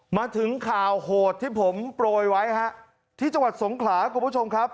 มาถึงข่าวโหดที่ผมโปรยไว้ฮะที่จังหวัดสงขลาคุณผู้ชมครับ